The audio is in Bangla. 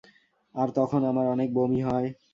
আর তখন আমার অনেক বমি হয়।